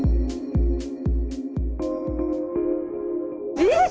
えっ！？